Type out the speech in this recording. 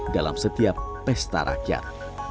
dalam setiap pesta rakyat